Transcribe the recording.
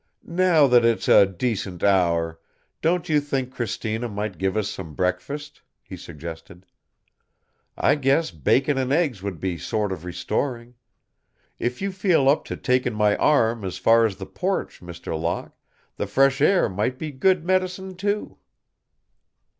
"Now that it's a decent hour, don't you think Cristina might give us some breakfast?" he suggested. "I guess bacon and eggs would be sort of restoring. If you feel up to taking my arm as far as the porch, Mr. Locke, the fresh air might be good medicine, too."